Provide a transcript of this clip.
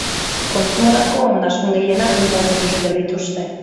Kontsumorako ondasun gehienak inportatu egiten dituzte.